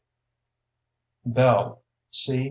Bell, C.